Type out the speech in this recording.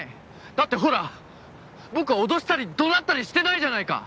だってほら僕は脅したり怒鳴ったりしてないじゃないか。